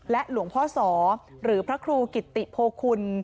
หลวงพ่อสอหรือพระครูกิติโพคุณ